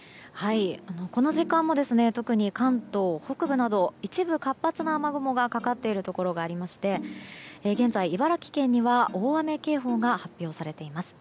この時間も特に関東北部など一部、活発な雨雲がかかっているところがありまして現在、茨城県には大雨警報が発表されています。